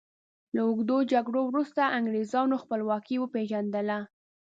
له اوږدو جګړو وروسته انګریزانو خپلواکي وپيژندله.